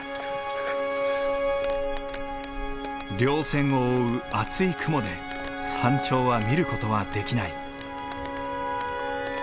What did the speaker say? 稜線を覆う厚い雲で山頂は見る事はできない。